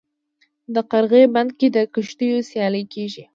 د قرغې بند کې د کښتیو سیالي کیږي.